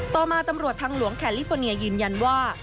ต่อมาตำรวจทางหลวงแคลิฟอร์เนียยืนยันว่า